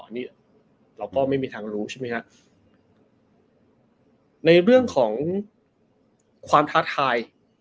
อันนี้เราก็ไม่มีทางรู้ใช่ไหมฮะในเรื่องของความท้าทาย